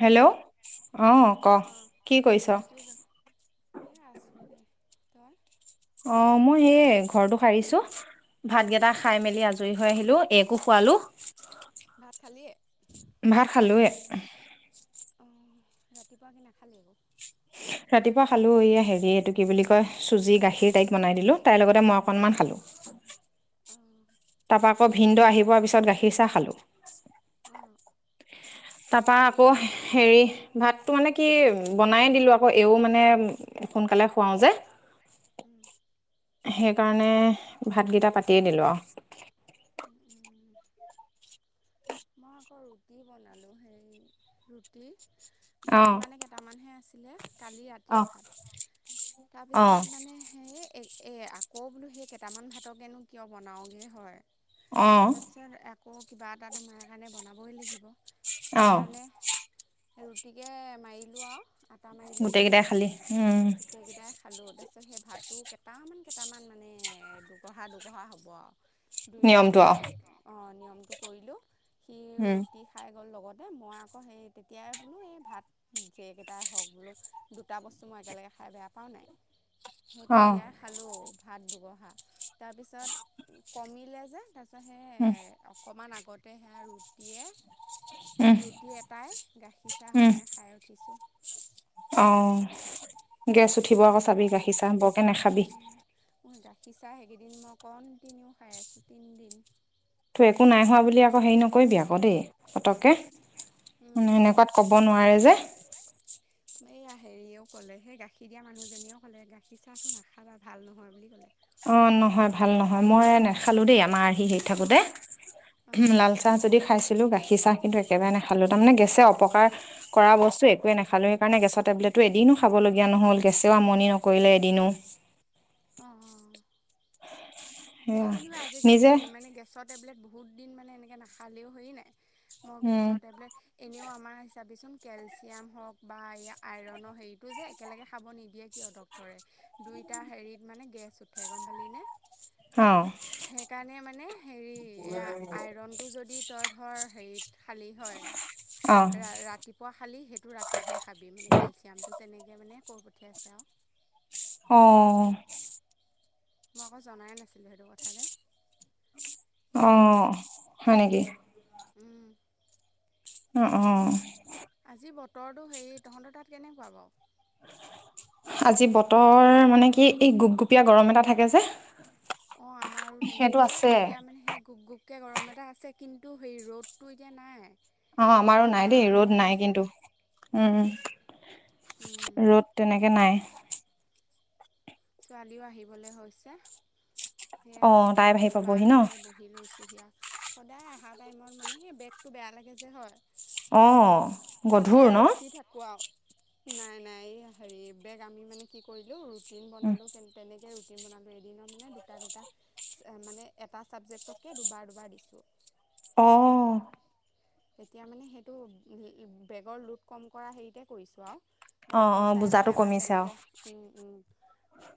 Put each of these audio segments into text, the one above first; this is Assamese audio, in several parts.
হেল্ল' অ, ক, অঁ কি কৰিছ? কি ক এ, আছো দে, তই? অ, মই সেই ঘৰৰতো সাৰিছো, ভাত কেইটা খাই মেলি আজৰি হৈ আহিলো। একো খোৱালো, ভাত খালিয়ে ভাত খালোৱে। অঁ ৰাতিপুৱা কি নাখালে? ৰাতিপুৱা খালোঁ এই হেৰি এইটো কি বুলি কয় চুজি, গাখীৰ টাইপ বনাই দিলোঁ। তাইৰ লগতে মই অকণমান খালোঁ। অঁ তাৰপৱা আকৌ ভিনন্দ আহি পোৱাৰ পিছত গাখীৰ চাহ খালো। আহ। তাৰপা আকৌ হেৰি ভাতটো মানে কি বনাইে দিলো আ এইও মানে, সোনকালে খুৱাও যে। উম কাৰণে, ভাতকেইটা পাতিয়ে দিলো আৰু। উম উম মই আকৌ ৰুটি বনালোঁ, সেই ৰুটি ভাত অঁ মানে কেইটামানহে আছিলে, কালি ৰাতিয়ে অঁ ভাত অঁ তাৰপিছত মানে হে এ, আকৌ বোলো সেই কেইটামান ভাতকেনো কিয় বনাওগে, হয়, অঁ তাৰপিছত আকৌ কিবা এটাটো মায়ে কাৰণে বনাবই লাগিব, অঁ সেইকাৰণে গতিকে মাৰিলোঁ আৰু আটা মাৰিলোঁ, গোটেই কেইটাই খালি উম গোটেইকেইটাই খালোঁ দে। তাৰপিছত সেই ভাতটো কেইটামান, কেইটামান মানে দুগঢহা, দুগহা হ'ব আৰু। দুয়োটাই নিয়মটো আৰু সেয়া নিয়মটো কৰিলোঁ। সি, উম ৰুটি খাই গ'ল লগত। দে মই আকৌ সেই তেতিয়াই বোলো এই ভাত যেইকেইটাই হওক বোলো দুটা বস্তু মই একেলগে খাই বেয়া পাওঁ নাই। [inaudible] সেই তেতিয়াই খালোঁ ভাত দুগহা, তাৰপিছত কমিলে যে তাৰপিছত উম সেই, অকণমান আগতে সেয়া ৰুটিয়ে উম ৰুটি এটাই, গাখীৰ চাহ উম সকনে খাই উঠিছোঁ। অ, গেছ উঠিব আকৌ চাবি। গাখীৰ হেৰি চা বৰকে নাখাবি। গাখীৰ চা সেইকেইদিন মই কণ্টিনিউ খাই আছোঁ তিনিদিন। তই একো নাই হোৱা বুলি আকৌ হেৰি নকৰিবি আকৌ দেই, পতককে। উম মানে উম এনেকুৱাত কব নোৱাৰে যে। এইয়া হেৰিও ক'লে, সেই গাখীৰ দিয়া মানুহজনীয়েও ক'লে গাখীৰ চাহটো নাখাবা ভাল নহয় বুলি ক'লে। অ, নহয়, ভাল নহয়, মই নাখালো দেই আমাৰ আহি, হেৰি থাকোতে। উ, অঁ লাল চাহ যদি খাইছিলো গাখ গখ চাহ কিন্তু একেবাৰে নেখালো, তাৰেছে অপকাৰ কৰা বস্তু একোবাৰে নেখালো সেইকাৰণেছৰ টেবলেটটো এদি কিনো খাবলগীয়া নহ'ল। গেছেও আমনি নকৰিলে এদিনো। অ', অ'। [unintelligible] মই সেয়া জেনিবা আজি নিজে গাখীৰ মানে, গেছৰ টেবলেট বহুত দিন মানে এনেকৈ নাখালেও, হেৰি নাই। মোৰ উম গেছৰ টেবলেট এনেও আমাৰ চাবি চোন কেলচিয়াম হওক বা এই আইৰণৰ হেৰিটো যে একেলগে খাব নিদিয়ে, কিয় ডক্টৰে। দুইটা হেৰিত মানে গেছ উঠে গম পালিনে? অ সেইকাৰণে মানে হেৰি এইয়া আইৰণটো যদি তই ধৰ হেৰি খালী হয়, অ ৰাতিপুৱা খালি সেইটো ৰাতিহে খাবি মানে কেলচিয়ামটো। তেনেকৈ মানে কৈ পঠিয়াইছে আৰু। অ', মই আকৌ জনাই নাছিলোঁ, সেইটো কথা দে। অ', হয় নেকি? উম, অ', অ'। আজি বতৰটো হেৰি তহঁতৰ তাত কেনেকুৱা বাৰু? আজি বতৰ মানে কি, এই গোপগুপীয়া গৰম এটা থাকে যে অ', আমাৰো সেইটো তেনেকুৱা আছে এতিয়া মানে সেই গুপ গুপ কে গৰম এটা আছে, কিন্তু সেই ৰ'দটো এতিয়া নাই। অ', আমাৰো নাই গোমা দেই ৰ'দ হৈ নাই, আছে কিন্তু উম, ৰ'দ তেনেকে নাই। ছোৱালীও আহিবলৈ হৈছে। এইয়া অ তাই আহি পাবহি ন বাৰণ্ডাতে বহি লৈছোঁ দিয়া। সদাই অহা টাইমত মানে, সেই বেগটো বেয়া লাগে যে হয়। অ', গধুৰ সদায় ন? ৰখি থাকোঁ নাই, নাই এইয়া হেৰি বেগ আমি মানে কি কৰিলোঁ, ৰুটিন বনালো লো, তেনেকেই ৰুটিন‌ বনালো, এদিনত মানে দুটা, দুটা মানে এটা চাবজেক্টকে দুবাৰ দুবাৰ দুবাৰ দিছোঁ। অ', তেতিয়া মানে, সেইটো বেগৰ লোড কম কৰা হেৰিতে কৰিছোঁ আৰু। অ ডাইৰেক্টৰ চাৰে বুজাটো মানে আমাক কমিছে আৰু তেনেকে উম, উম।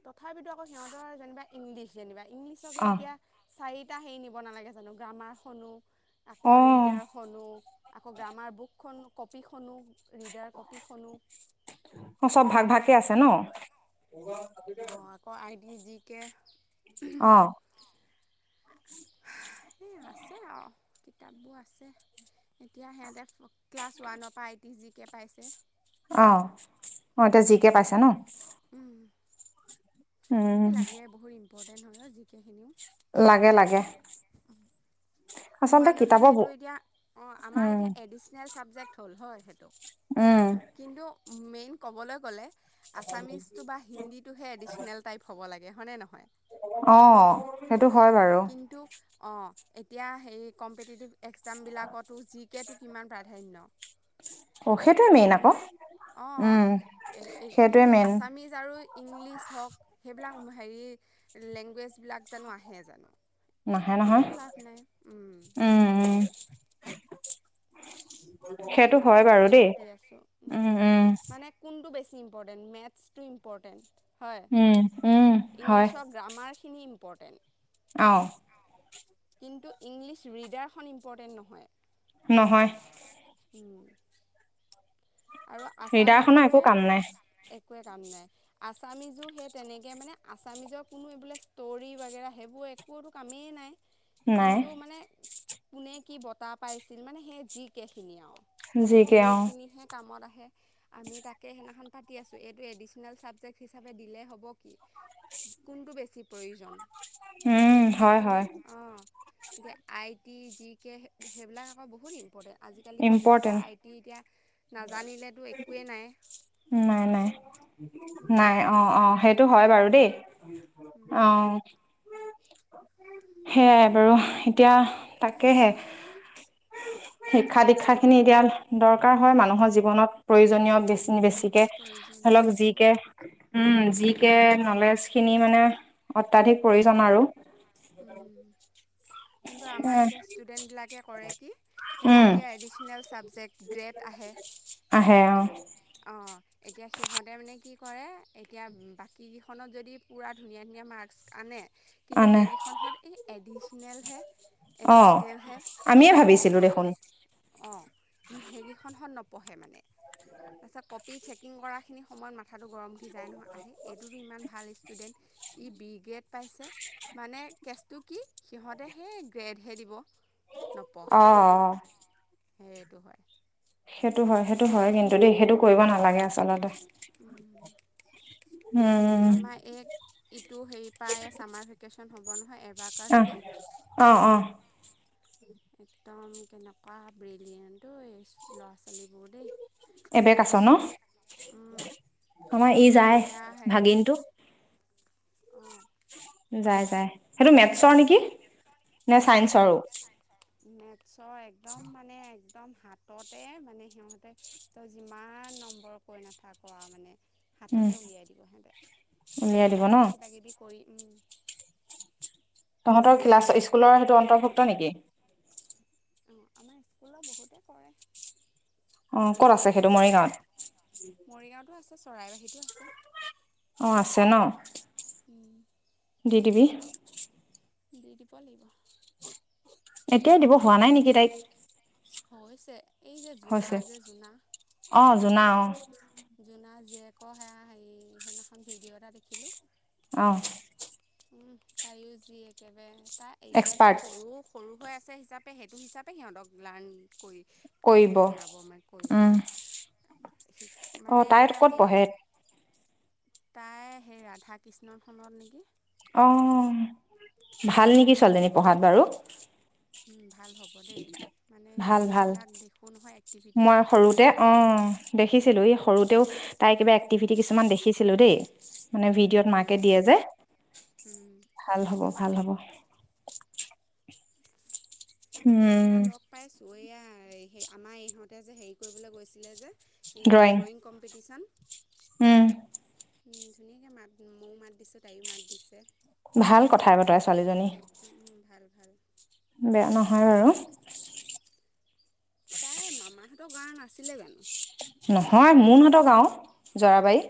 তথাপিতো, আকৌ সিহঁতৰ যেনিবা ইংলিছ যেনিবা, ইংলিছকে অ এতিয়া চাৰি টা হেৰি নিব নালাগে জানো? গ্ৰামাৰ খনো, অ আকৌ ৰিডাৰ খনো। আকৌ গ্ৰামাৰ বুকখন, কপি খনো, ৰিডাৰ কপিখনো। অ', চব ভাগ ভাগকে আছে ন? অ', আকৌ আই ডি, জি কে। অ', এই আছে আৰু কিতাপবোৰ আছে। এতিয়া সিহঁতে ক্লাছ ওৱানৰ পৰা আই টি, জি কে পাইছে। অ', অ', এতিয়া জি কে পাইছে ন? উম, উম, ইম্পৰ্টেণ্ট হয়, অ', জি কে খিনিও। লাগে লাগে। আচলতে মানুহে কিতাপৰ সেইটো এতিয়া অ', আমাৰ উম এতিয়া এডিচনেল চাবজেক্ট হ'ল হয়, সেইটো? উম, কিন্তু মেইন ক'বলৈ গ'লে, আছামিজটো বা হিন্দীটোহে এডিচনেল টাইপ হ'ব লাগে, হয়নে নহয়? অ', সেইটো হয় বাৰু। কিন্তু অঁ এতিয়া সেই কম্পিটিটিভ এক্সামবিলাকতো জি কেটো কিমান প্ৰাধান্য। অ', সেইটোৱে মেইন আকৌ। অ', উম, এ-এই সেইটোৱে কিন্তু মেইন। আছামিজ আৰু ইংলিছ হওঁক সেই বিলাক হেৰি লেংগুৱেজবিলাক জানোঁ আহে জানো? নাহে নহয়। একো লাভ নাই উম, উম সেইটোৱে আমি সেইটো হয় সেইদিনাখন বাৰু তাকে দেই। পাতি আছো। উম, মানে কোন টো বেছি ইম্পৰ্টেণ্ট? মেথছটো ইম্পৰ্টেণ্ট। হয়। উম, উম, ইংলিছৰ গ্ৰামাৰখিনি ইম্পৰ্টেণ্ট। অহ। কিন্তু ইংলিছ ৰিডাৰখন ইম্পৰ্টেণ্ট নহয়। নহয়। উম। ৰিডাৰখনৰ একো কাম নাই। একোৱে কাম নাই। আছামিজো সেই তেনেকে মানে আছামিজৰ কোনো এইবিলাক ষ্টোৰি বাগেৰা সেইবোৰ একোতো কামেই নাই। নাই। কিন্তু মানে, কোনে কি বঁটা পাইছিল মানে, সেই জি কেখিনি আৰু। জি কে অ'। সেইখিনিহে কামত আহে। আমি তাকে সেইদিনাখন পাতি আছোঁ। এইটো এডিচনেল চাবজেক্ট হিচাপে দিলেই হ'ব কি? কোনটো বেছি প্ৰয়োজন? উম, হে হে হয়, সেই হয়। অ'। এতিয়া আই টি, জি কে সেইবিলাক আকৌ বহুত ইম্ ইম্পৰ্টেণ্ট। আজিকালি কম্পিউটাৰ ইম্পৰ্টেণ্ট। আই টি এতিয়া নাজানিলেতো একোৱেই নাই। উম, নাই নাই। নাই, উম, অ' অ' সেইটো হয় বা বীৰু দেই উম। অ'। সেয়াই বাৰু এতিয়া তাকেহে। শিক্ষা দীক্ষাখিনি এতিয়া দৰকাৰ হয় মানুহৰ জীৱনত প্ৰয়োজনীয় বেছি বেছিকে বহুত প্ৰয়োজনীয় অলপ জি বহুত কে উম জি কে নলেজখিনি মানে অত্যাধিক প্ৰয়োজন আৰু। কিন্তু এ আমাৰ এতিয়া ষ্টুডেন্টবিলাকে কৰে কি সেইটো উম এতিয়া ট্ৰেডিচনেল ছাবজেক্ট গ্ৰেট আহে। আহে অ অ', এতিয়া সিহঁতে মানে কি কৰে এতিয়া বাকী কেইখনত যদি পুৰা ধুনীয়া ধুনীয়া মাৰ্ক্স আনে কিন্তু আনে সেইকেইখনহঁত এই এডিচনেলহে। অ', আমিয়ে ভাবিছিলো দেখোন। অ', সেইকেইখনহঁত ন পঢ়ে মানে। তাৰপাছত কপি চেকিং কৰাখিনি সময়ত ম মাথাটো গৰম উঠি যায় নহয়। আইহ এইটোতো ইমান ভাল ষ্টুডেণ্ট ই বি গ্ৰেড পাইছে মানে কেচটো কি সিহঁতে সেই গ্ৰেডহে দিব। নপঢ়ে অ'। সেইটো হয়। সেইটো হয় সেইটো হয় কিন্তু দেই সেইটো কৰিব নালাগে আচলতে। উম। উম আমাৰ এই ইটো হেৰি পৰা চামাৰ ভেকেশ্যন হ'ব নহয় এবাকাছ আহ যে অহ অ'। একদম কেনেকুৱা ব্ৰেলিয়েনত এই ল'ৰা ছোৱালীবোৰ দেই। এবেকাচ ন। মেথছৰ উম, আমাৰ ই যায় ভাগিনটো। উম। যায় যায়। সেইটো মেথছৰ নেকি নে চাইন্সৰো। চ' একদম মানে একদম হাততে মানে সিহঁতে তই যিমান নম্বৰ কৈ নাথাক মানে উম হাততে উলিয়াই দিব সিহঁতে। উলিয়াই দিব ন হাততে কিবা কিবি কৰি উম তহঁতৰ ক্লাছ স্কুলৰ সেইটো অন্তৰ্ভুক্ত নেকি? অ', আমাৰ স্কুলৰ বহুতেই কৰে। অ', ক'ত আছে সেইটো মৰিগাঁৱত? মৰিগাঁওতো আছে চৰাইবাহীতো আছে। অ', আছে ন। উম, দিদিবি। দি দিব লাগিব। এতিয়াই দিব হোৱা নাই নেকি তাইক। হৈছে এই যে জোনা যে জোনা জুনা অ'। জুনা জীয়েকৰ সেয়া হেৰি সেইদিনাখন ভিডিঅ' এটা দেখিলো। অ। উম, তাইও যি একেবাৰে তাই এতিয়া নহয় এক্সপাৰ্ট সৰু-সৰু হৈ আছে হিচাপে সেইটো হিচাপে সিহঁতক লাৰ্ণ কৰি কৰিব দিয়াব [unintelligible] কৈ অ'। অঁ মানে তাই এতিয়া ক'ত হেই পঢ়ে তাই সেই ৰাধা-কৃষ্ণ খনত নেকি? অ, ভাল নেকি ছোৱালীজনী পঢ়াত বাৰু? ভাল হ'ব দেই মানে ভাল ভাল সেইবিলাক দেখোঁ নহয় এক্টিভিটিবিলাকো ভালেই হ'ব। দেখিছিলো এই সৰুতেও তাইৰ কিবা এক্টিভিটি কিছুমান দেখিছিলো দেই। মানে ভিডিঅ'ত মাকে দিয়ে যে ভাল হ'ব ভাল হব। উম, সেইদিনা লগ পাইছো ঐয়াই সেই আমাৰ ইহঁতে যে হেৰি কৰিবলৈ গৈছিলে যে ইয়া ড্ৰয়িং কম্পিটিশন। উম। ধুনীয়াকে মাত ময়ো মাত দিছোঁ তাইও মাত দিছে। ভাল কথাই-বতৰাই ছোৱালীজনী। উম, ভাল ভাল [inaudible] বেয়া নহয় বাৰু। তাই মামাহঁতৰ গাঁৱৰ নাছিলে জানো? নহয় মোনহঁতৰ গাঁওৰ জৰাবাৰী।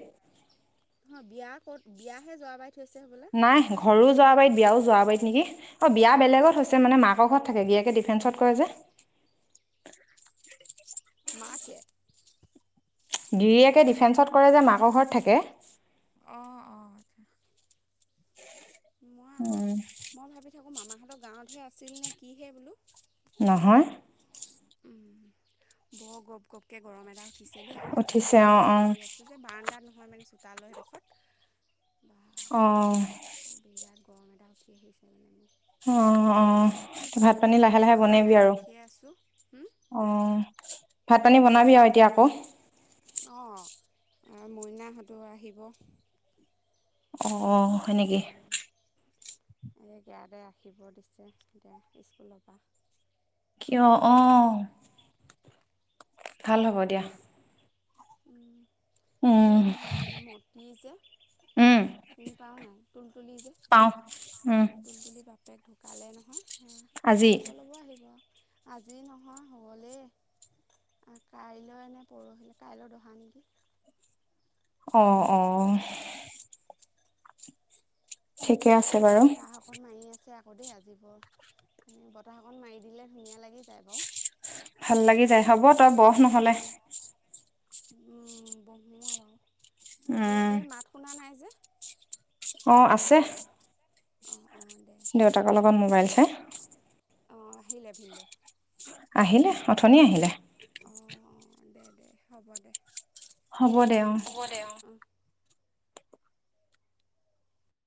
অ, বিয়া ক'ত? বিয়াহে যোৱা বাৰী। নাই ঘৰো জৰাবাৰী বিয়াও জৰা যোৱা বাৰীত নেকি? অ, বিয়া বেলেগত হৈছে মানে মাকৰ ঘৰত থাকে [unintelligible] ডিফেন্সত কৰে যে। মাকে? গিৰিয়েকে ডিফেন্সত কৰে যে মাকৰ ঘৰত থাকে। অ', অ। মই আকৌ মই ভাবি থাকোঁ মামাহঁতৰ গাঁৱতহে আছিল নে কিহে বোলো। নহয়। উম, বৰ গপ-গপকে গৰম এটা উঠিছে দেই মই যে উঠিছে অঁ বাৰান্দাত যে অঁ বহি আছোঁ যে বাৰান্দাত নহয় মানে চোতাল এডোখৰত। অ। বিৰাট গৰম এটা উঠি আহিছে মানে মোৰ অ, অ, ত' ভাত-পানী লাহে ছোৱালীজনীও লাহে অহা বনাবি নাই আৰু। ৰখিয়ে আছোঁ হুম, অ, ভাত-পানী বনাবি আৰু এতিয়া আকৌ। অ, মইনাহঁতো আহিব। অ, হয় নেকি? এই [unintelligible] ৰাখিব দিছে এতিয়া স্কুলৰ পৰা অ, অ। ভাল হ'ব দিয়া। উম এইয়া হে মটি যে উম চিনি পাৱ' নাই তুলতুলি যে পাওঁ উম তুলতুলিৰ বাপেক ঢুকালে নহয়। সেয়া আজি? খবৰ ল'ব আহিব আজি নহয় হ। [unintelligible] কাইলৈ এনে পৰহিলৈ কাইলৈ দহা নেকি। অ অ ঠিকে আছে উ বাৰু বতাহসকন মাৰি আছে আকৌ দেই আজিবৰ মানে বতাহ অকণ মাৰি দিলে ধুনীয়া লাগি যায় বাৰু ভাল লাগি যায় হ'ব তই বহ নহলে ব্হ [unintelligible] আৰু আৰু হে উম এই মাত শুনা নাই যে অ আছে অ অ [unintelligible] দেউতাকৰ লগত মোবাইল চাই অ আহিলে ভিন্দ [unintelligible] আহিলে অথনি আহিলে অ দে দে হ'ব দে হ'ব দে অ